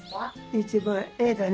一番絵だね。